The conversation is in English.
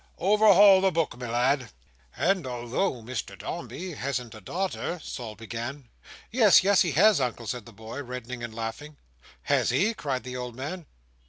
Overhaul the book, my lad." "And although Mr Dombey hasn't a daughter," Sol began. "Yes, yes, he has, Uncle," said the boy, reddening and laughing. "Has he?" cried the old man.